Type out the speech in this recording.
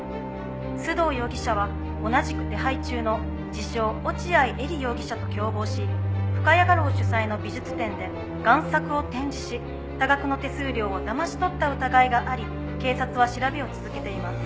「須藤容疑者は同じく手配中の自称落合エリ容疑者と共謀し深谷画廊主催の美術展で贋作を展示し多額の手数料をだまし取った疑いがあり警察は調べを続けています」